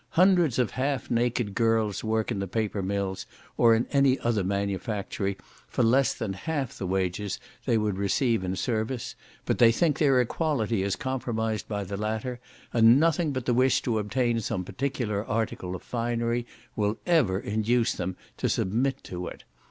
Hundreds of half naked girls work in the paper mills, or in any other manufactory, for less than half the wages they would receive in service; but they think their equality is compromised by the latter, and nothing but the wish to obtain some particular article of finery will ever induce them to submit to it.